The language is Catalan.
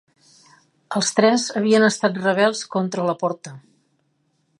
Els tres havien estat rebels contra la Porta.